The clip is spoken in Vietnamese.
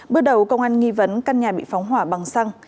bước đầu công an nghi vấn căn nhà bị phóng hỏa bằng xăng